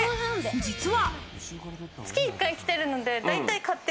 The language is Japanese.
実は。